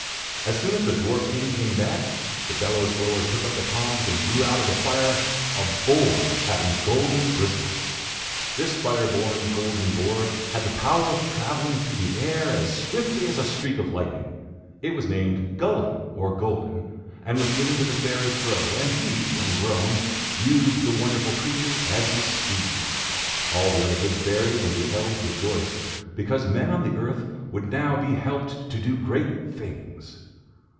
As soon as the dwarf king came back, the bellows blower took up the tongs and drew out of the fire a boar having golden bristles. This fire born golden boar had the power of travelling through the air as swiftly as a streak of lightning. It was named Gullin, or Golden, and was given to the fairy Fro, and he, when grown, used the wonderful creature as his steed. All the other good fairies and the elves rejoiced, because men on the earth would now be helped to do great things.